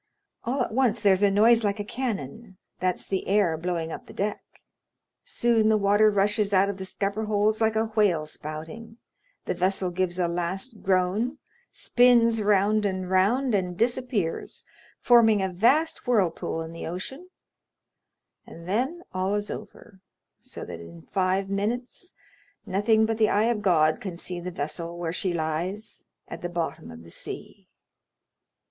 All at once there's a noise like a cannon—that's the air blowing up the deck. Soon the water rushes out of the scupper holes like a whale spouting, the vessel gives a last groan, spins round and round, and disappears, forming a vast whirlpool in the ocean, and then all is over, so that in five minutes nothing but the eye of God can see the vessel where she lies at the bottom of the sea.